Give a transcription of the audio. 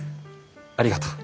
ありがとう。